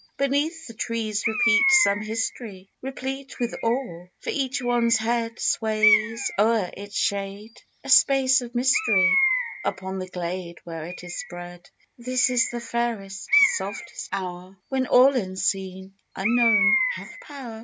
Beneath, the trees repeat some hist'ry Replete with awe, for each one's head Sways o'er its shade, a space of myst'ry Upon the glade where it is spread ; This is the fairest, softest hour. When all Unseen, Unknown, hath pow'r.